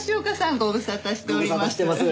ご無沙汰してます。